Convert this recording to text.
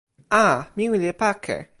a, mi wile pake.